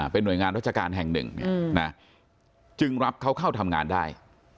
เป็นหน่วยงานราชการแห่งหนึ่งจึงรับเขาเข้าทำงานได้